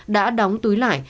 đã đóng túi lại